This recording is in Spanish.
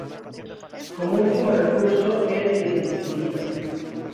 Como último recurso, el indefinido.